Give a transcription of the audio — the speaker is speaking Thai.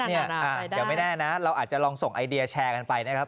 เดี๋ยวไม่แน่นะเราอาจจะลองส่งไอเดียแชร์กันไปนะครับ